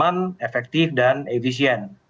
dan aman efektif dan efisien